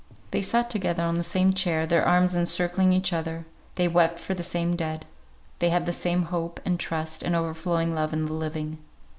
They sat together on the same chair, their arms encircling each other; they wept for the same dead; they had the same hope, and trust, and overflowing love in the living.